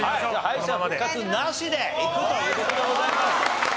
敗者復活なしでいくという事でございます。